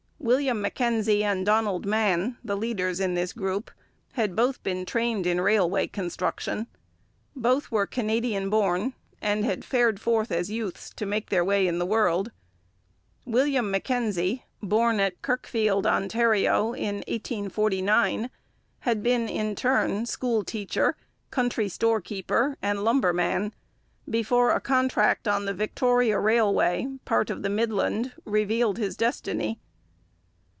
William Mackenzie and Donald Mann, the leaders in this group, had both been trained in railway construction. Both were Canadian born; and had fared forth as youths to make their way in the world. William Mackenzie, born at Kirkfield, Ontario, in 1849, had been in turn school teacher, country store keeper, and lumberman before a contract on the Victoria Railway part of the Midland revealed his destiny.